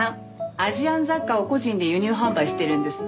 アジアン雑貨を個人で輸入販売してるんですって。